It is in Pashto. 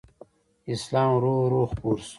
اسلام ورو ورو خپور شو